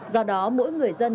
do đó mỗi người dân